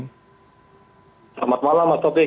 selamat malam mas topik